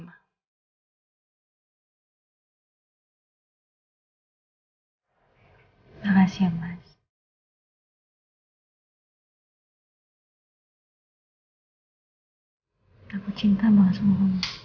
apa sih apaan sih